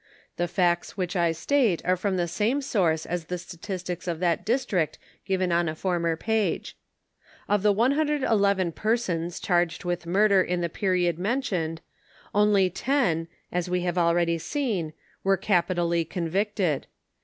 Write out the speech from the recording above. The facts which I state are from the same source as the statistics of that dis trict given on a former page. Of the 111 persons charged with murder in the period mentioned, only terij as we have already seen, were capitally convicted.